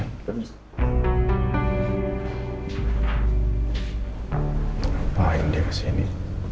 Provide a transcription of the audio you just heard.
ngapain dia kesini